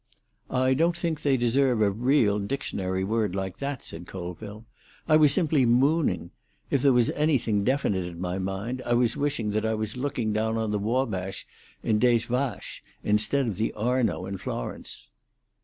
"I don't think they deserve a real dictionary word like that," said Colville. "I was simply mooning. If there was anything definite in my mind, I was wishing that I was looking down on the Wabash in Dos Vaches, instead of the Arno in Florence."